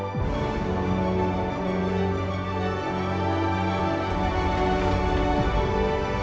tidak ada yang mau kacau